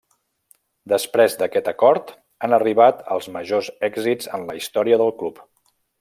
Després d'aquest acord, han arribat els majors èxits en la història del club.